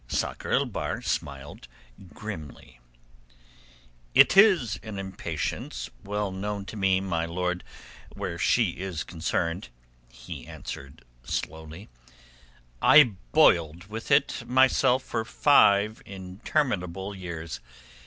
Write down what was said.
Sakr el Bahr smiled grimly. "It is an impatience well known to me, my lord, where she is concerned," he answered slowly. "I boiled with it myself for five interminable years.